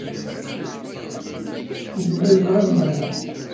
Yella yebɣa ad yerbeḥ.